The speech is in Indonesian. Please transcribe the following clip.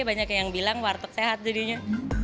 banyak yang bilang warteg sehat jadinya